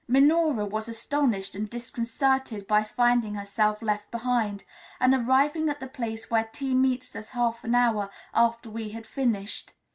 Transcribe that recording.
Minora was astonished and disconcerted by finding herself left behind, and arriving at the place where tea meets us half an hour after we had finished.